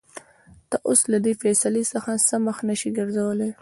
ته اوس له دې فېصلې څخه مخ نشې ګرځولى.